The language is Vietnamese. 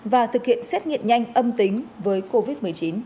và thực hiện xét nghiệm nhanh âm tính với covid một mươi chín